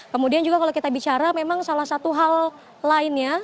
kemudian juga kalau kita bicara memang salah satu hal lainnya